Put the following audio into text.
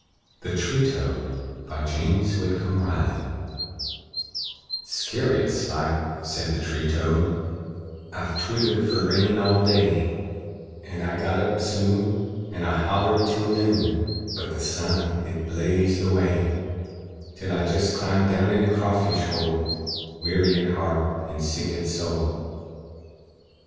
THE TREE TOAD BY JAMES WHITCOMB RILEY "'Scurious like," said the tree toad, "I've twittered fer rain all day; And I got up soon, And I hollered till noon But the sun, hit blazed away, Till I jest clumb down in a crawfish hole, Weary at heart, and sick at soul!